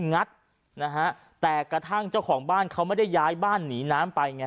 งัดนะฮะแต่กระทั่งเจ้าของบ้านเขาไม่ได้ย้ายบ้านหนีน้ำไปไง